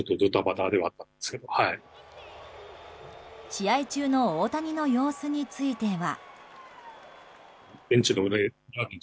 試合中の大谷の様子については。